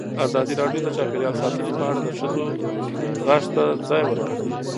ازادي راډیو د چاپیریال ساتنه په اړه د ښځو غږ ته ځای ورکړی.